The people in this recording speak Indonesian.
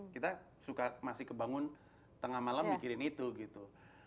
kita suka masih kebangun tengah malam mikirin itu gitu